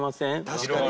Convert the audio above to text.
確かに。